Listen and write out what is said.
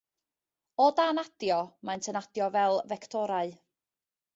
O dan adio, maent yn adio fel fectorau.